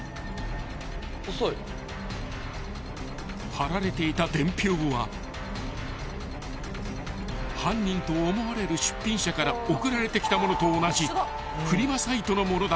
［貼られていた伝票は犯人と思われる出品者から送られてきた物と同じフリマサイトの物だった］